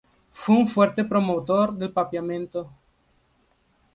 Fue un fuerte promotor del papiamento.